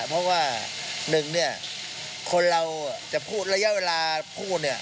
เพราะว่าหนึ่งเนี่ยคนเราจะพูดระยะเวลาพูดเนี่ย